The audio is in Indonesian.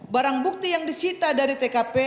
barang bukti yang disita dari tkp